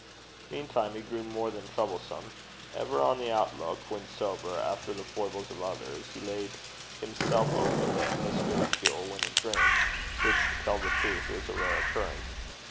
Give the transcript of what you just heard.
Meantime he grew more than troublesome. Ever on the outlook, when sober, after the foibles of others, he laid himself open to endless ridicule when in drink, which, to tell the truth, was a rare occurrence.